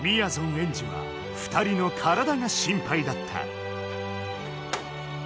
エンジは２人の体が心ぱいだった。